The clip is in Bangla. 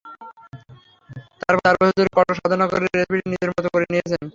তারপর চার বছর ধরে কঠোর সাধনা করে রেসিপিটি নিজের মতো করে নিয়েছেন।